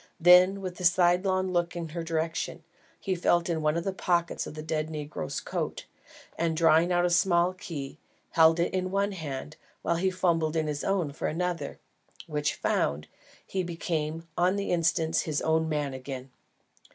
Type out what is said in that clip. Then, with a side long look in her direction, he felt in one of the pockets of the dead negro's coat, and drawing out a small key, held it in one hand while he fumbled in his own for another, which found, he became on the instant his own man again.